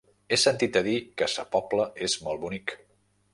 He sentit a dir que Sa Pobla és molt bonic.